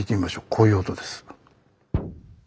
こういう音です。